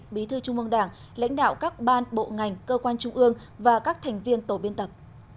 bí thư trung mương đảng lãnh đạo các ban bộ ngành cơ quan trung ương và các thành viên tổ biên tập